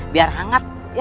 biar hangat ya